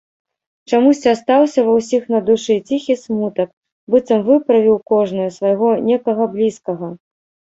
Чамусьці астаўся ва ўсіх на душы ціхі смутак, быццам выправіў кожны свайго некага блізкага.